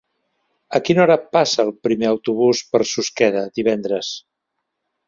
A quina hora passa el primer autobús per Susqueda divendres?